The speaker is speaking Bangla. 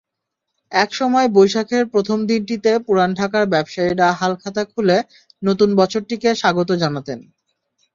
একসময় বৈশাখের প্রথম দিনটিতে পুরান ঢাকার ব্যবসায়ীরা হালখাতা খুলে নতুন বছরটিকে স্বাগত জানাতেন।